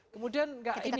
kemudian nggak ini